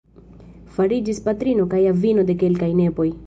Fariĝis patrino kaj avino de kelkaj nepoj.